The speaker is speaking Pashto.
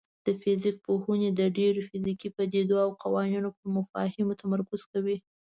د فزیک پوهنځی د ډیرو فزیکي پدیدو او قوانینو پر مفاهیمو تمرکز کوي.